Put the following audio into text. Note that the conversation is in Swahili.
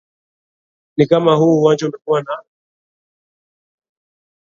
ni kama huu uwanja umekuwa naa